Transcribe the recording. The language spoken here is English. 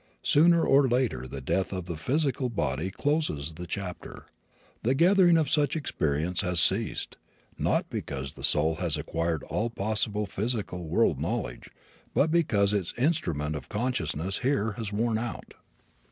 Sooner or later the death of the physical body closes the chapter. The gathering of such experience has ceased, not because the soul has acquired all possible physical world knowledge, but because its instrument of consciousness here has worn out.